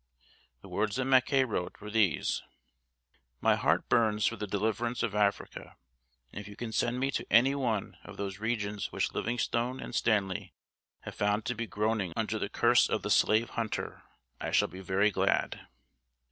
The words that Mackay wrote were these: "My heart burns for the deliverance of Africa, and if you can send me to any one of those regions which Livingstone and Stanley have found to be groaning under the curse of the slave hunter I shall be very glad."